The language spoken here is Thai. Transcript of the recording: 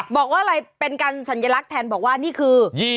บอกว่าอะไรเป็นการสัญลักษณ์แทนบอกว่านี่คือ